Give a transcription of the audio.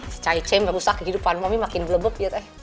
si cai cai merusak kehidupan mami makin belebeb lihat eh